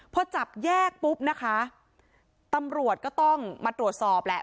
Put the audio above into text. พอจับแยกปุ๊บนะคะตำรวจก็ต้องมาตรวจสอบแหละ